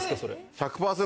１００％